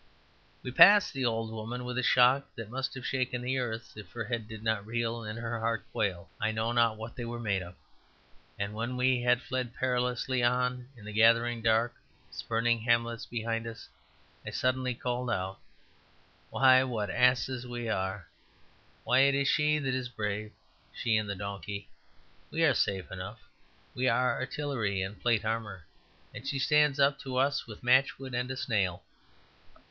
We passed the old woman with a shock that must have shaken the earth: if her head did not reel and her heart quail, I know not what they were made of. And when we had fled perilously on in the gathering dark, spurning hamlets behind us, I suddenly called out, "Why, what asses we are! Why, it's She that is brave she and the donkey. We are safe enough; we are artillery and plate armour: and she stands up to us with matchwood and a snail!